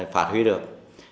phát huy được